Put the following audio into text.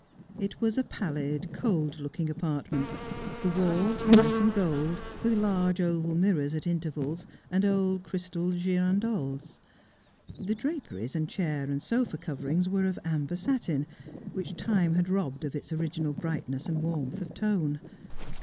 It was a pallid, cold looking apartment, the walls white and gold, with large oval mirrors at intervals, and old crystal girandoles. The draperies and chair and sofa coverings were of amber satin, which time had robbed of its original brightness and warmth of tone.